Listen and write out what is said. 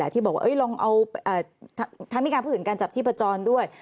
ที่บอกทำให้การพูดถึงการจับที่ปจรด้วย